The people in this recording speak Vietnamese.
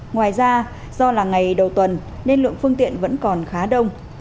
ngoài ra do là ngày đầu tuần nên lượng phương tiện vẫn còn khá đông